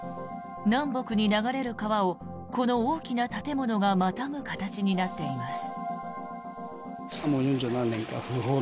南北に流れる川をこの大きな建物がまたぐ形になっています。